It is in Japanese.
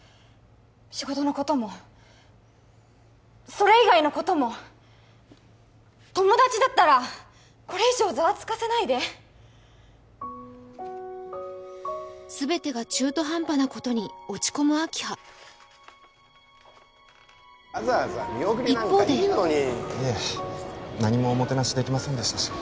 仕事のこともそれ以外のことも友達だったらこれ以上ザワつかせないで全てが中途半端なことに落ち込む明葉一方でいえ何もおもてなしできませんでしたし